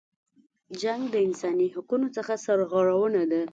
جنګ د انسانی حقونو څخه سرغړونه ده.